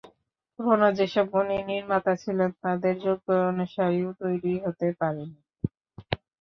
পুরোনো যেসব গুণী নির্মাতা ছিলেন, তাঁদের যোগ্য অনুসারীও তৈরি হতে পারেনি।